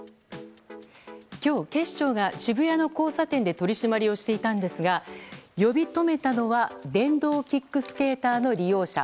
今日、警視庁が渋谷の交差点で取り締まりをしていたんですが呼び止めたのは電動キックスケーターの利用者。